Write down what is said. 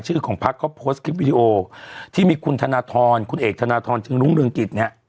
ชื่อของพักก็ที่มีคุณธนธรคุณเอกธนธรจึงรุ้งเรืองกิจเนี้ย